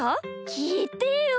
きいてよ！